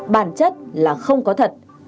bản chất là không có thật